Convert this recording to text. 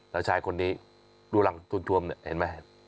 แล้วชายคนนี้ดูหลังทุนทวมเนี่ยเห็นไหม